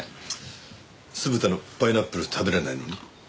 酢豚のパイナップル食べられないのに？